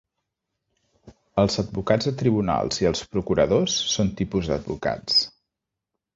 Els advocats de tribunals i els procuradors són tipus d'advocats.